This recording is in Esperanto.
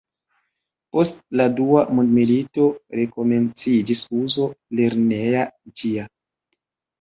Post la Dua mondmilito rekomenciĝis uzo lerneja ĝia.